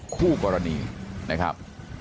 คู่กรณีนะครับ